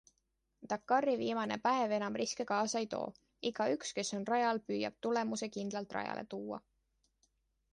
Dakari viimane päev enam riske kaasa ei too, igaüks, kes on rajal, püüab tulemuse kindlalt rajale tuua.